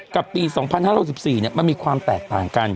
กับปี๒๕๖๔เนี่ยมันมีความแตกต่างกัน